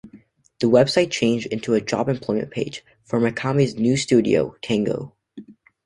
The website changed into a job employment page, for Mikami's new studio, "Tango".